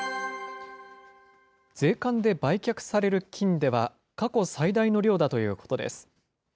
税関で売却される金では過去最大の量だということです。